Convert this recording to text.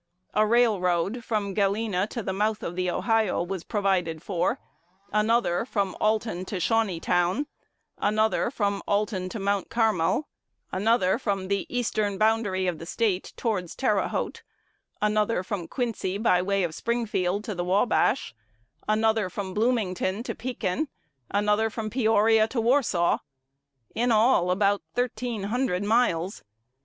A railroad from Galena to the mouth of the Ohio was provided for; another from Alton to Shawneetown; another from Alton to Mount Carmel; another from Alton to the eastern boundary of the State towards Terre Haute; another from Quincy by way of Springfield to the Wabash; another from Bloomington to Pekin; another from Peoria to Warsaw, in all about thirteen hundred miles.